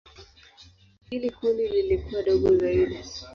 Hili kundi lilikuwa dogo zaidi.